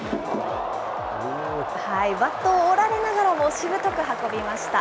バットを折られながらもしぶとく運びました。